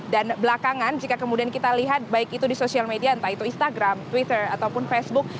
dan belakangan jika kemudian kita lihat baik itu di social media entah itu instagram twitter ataupun facebook